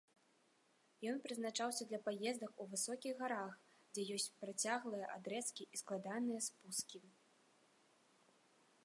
Ён прызначаўся для паездак у высокіх гарах, дзе ёсць працяглыя адрэзкі і складаныя спускі.